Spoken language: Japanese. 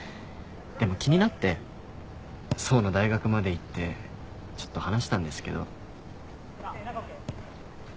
でも気になって想の大学まで行ってちょっと話したんですけど。